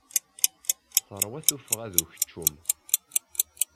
Terwa tuffɣa d ukeččum.